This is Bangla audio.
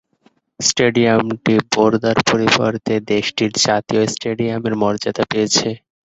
স্টেডিয়ামটি বোর্দা’র পরিবর্তে দেশটির জাতীয় স্টেডিয়ামের মর্যাদা পেয়েছে।